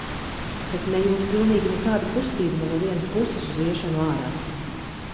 Bet nejūtu pilnīgi nekādu kustību ne no vienas puses uz iešanu ārā.